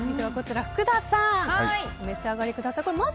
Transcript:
福田さんお召し上がりください。